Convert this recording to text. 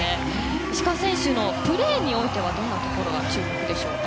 石川選手のプレーにおいてはどんなところが注目でしょうか。